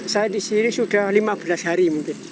saya di sini sudah lima belas hari mungkin